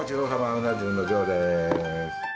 うな重の上です。